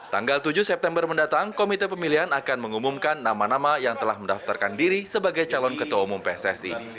tanggal tujuh september mendatang komite pemilihan akan mengumumkan nama nama yang telah mendaftarkan diri sebagai calon ketua umum pssi